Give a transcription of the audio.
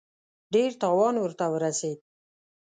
ډېر تاوان ورته ورسېد.